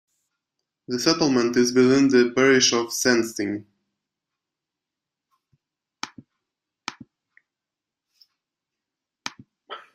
The settlement is within the parish of Sandsting.